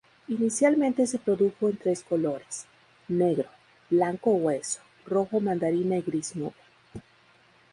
Inicialmente se produjo en tres colores: negro, blanco hueso, rojo mandarina y gris nube.